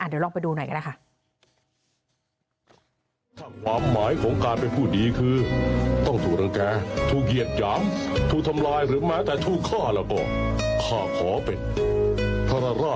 เดี๋ยวลองไปดูหน่อยก็ได้ค่ะ